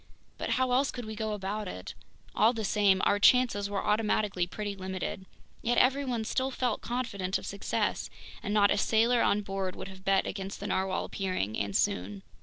But how else could we go about it? All the same, our chances were automatically pretty limited. Yet everyone still felt confident of success, and not a sailor on board would have bet against the narwhale appearing, and soon.